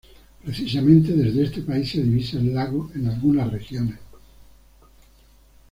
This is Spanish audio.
Precisamente, desde este país se divisa el lago en algunas regiones.